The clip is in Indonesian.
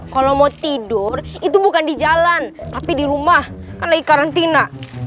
kalau mau tidur itu bukan di jalan tapi di rumah kan lagi karantina